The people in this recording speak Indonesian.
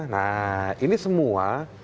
nah ini semua